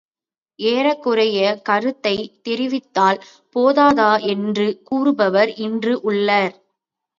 ஏறக்குறையக் கருத்தைத் தெரிவித்தால் போதாதா என்று கூறுபவர் இன்றும் உளர்.